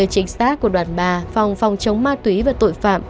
năm mươi trinh sát của đoàn ba phòng phòng chống ma túy và tội phạm